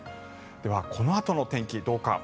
では、このあとの天気はどうか。